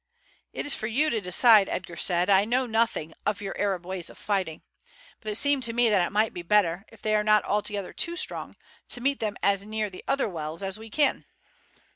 "It is for you to decide," Edgar said. "I know nothing of your Arab ways of fighting. But it seemed to me that it might be better, if they are not altogether too strong, to meet them as near the other wells as we can."